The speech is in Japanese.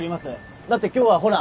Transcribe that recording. だって今日はほら。